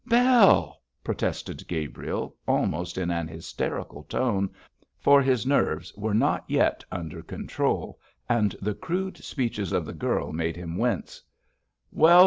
'Bell!' protested Gabriel, almost in an hysterical tone, for his nerves were not yet under control, and the crude speeches of the girl made him wince. 'Well!